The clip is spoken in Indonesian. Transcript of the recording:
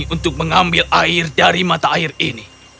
untuk mengambil air dari mata air ini